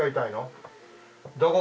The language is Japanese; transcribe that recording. どこ？